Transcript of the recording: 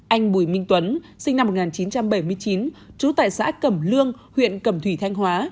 anh bùi minh tuấn sinh năm một nghìn chín trăm bảy mươi chín trú tại xã cẩm lương huyện cẩm thủy thanh hóa